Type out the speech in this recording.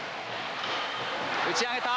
打ち上げた。